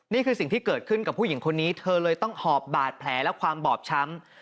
นี่คือสิ่งที่เกิดขึ้นกับผู้หญิงคนนี้เธอเลยต้องหอบบาดแผลและความบอบช้ำ